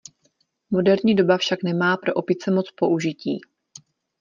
Moderní doba však nemá pro opice moc použití.